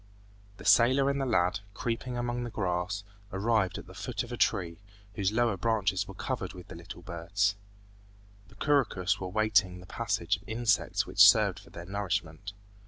The sailor and the lad, creeping among the grass, arrived at the foot of a tree, whose lower branches were covered with little birds. The couroucous were waiting the passage of insects which served for their nourishment.